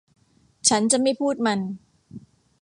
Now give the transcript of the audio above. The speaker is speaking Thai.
ฉันจะไม่พูดมัน